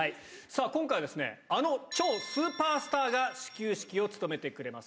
今回ですね、あの超スーパースターが始球式を務めてくれます。